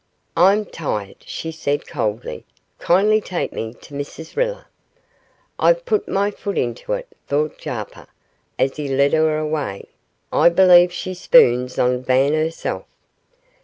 'I'm tired,' she said, coldly. 'Kindly take me to Mrs Riller.' 'I've put my foot into it,' thought Jarper, as he led her away. 'I believe she's spoons on Van herself.